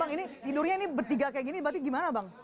ini tidurnya bertiga kayak gini berarti gimana bang